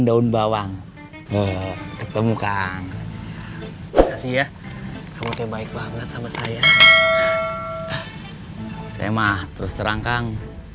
daun bawang ketemu kang oke baik banget sama saya saya mah terus terang kang